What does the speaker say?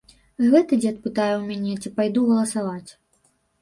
Гэты дзед пытае ў мяне, ці пайду галасаваць.